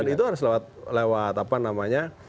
dan itu harus lewat lewat apa namanya